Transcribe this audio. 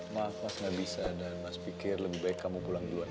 maaf mas gak bisa dan mas pikir lebih baik kamu pulang duluan